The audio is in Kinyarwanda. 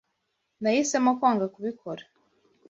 Nahisemo kwanga kubikora.